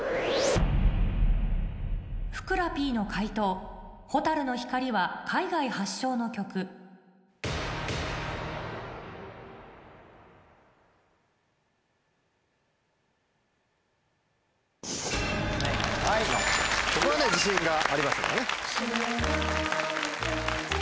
ふくらＰの解答『ほたるの光』は海外発祥の曲ここは自信がありましたからね。